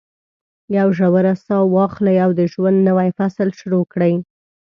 یوه ژوره ساه واخلئ او د ژوند نوی فصل شروع کړئ.